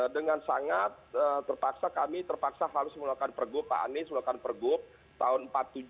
dengan sangat terpaksa kami terpaksa harus melakukan pergub pak anies melakukan pergub tahun empat puluh tujuh dua ribu dua puluh